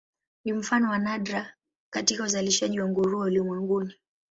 Ni mfano wa nadra katika uzalishaji wa nguruwe ulimwenguni.